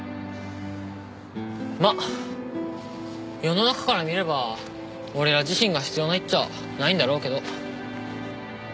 まあ世の中から見れば俺ら自身が必要ないっちゃないんだろうけど。